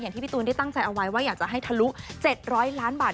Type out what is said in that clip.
ที่พี่ตูนได้ตั้งใจเอาไว้ว่าอยากจะให้ทะลุ๗๐๐ล้านบาท